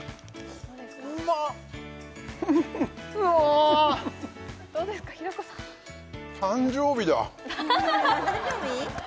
うまっうわっどうですか平子さん誕生日だ誕生日？